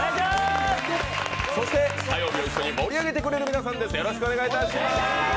そして火曜日を一緒に盛り上げてくれる皆さんです。